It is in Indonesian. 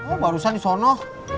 oh barusan di sono